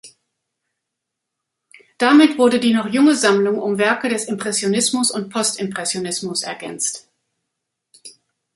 Damit wurde die noch junge Sammlung um Werke des Impressionismus und Postimpressionismus ergänzt.